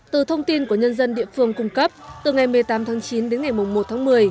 từ thông tin của nhân dân địa phương cung cấp từ ngày một mươi tám tháng chín đến ngày một tháng một mươi